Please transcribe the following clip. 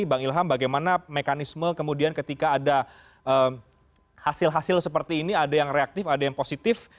bang ilham bagaimana mekanisme kemudian ketika ada hasil hasil seperti ini ada yang reaktif ada yang positif